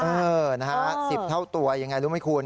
เออนะฮะ๑๐เท่าตัวยังไงรู้ไหมคุณ